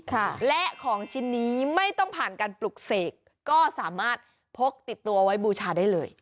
ค่ะและของชิ้นนี้ไม่ต้องผ่านการปลุกเสกก็สามารถพกติดตัวไว้บูชาได้เลย